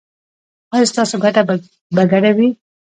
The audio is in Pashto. ایا ستاسو ګټه به ګډه وي؟